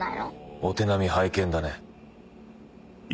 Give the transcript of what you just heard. お手並み拝見だね。